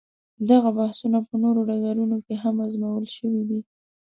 دغه بحثونه په نورو ډګرونو کې هم ازمویل شوي دي.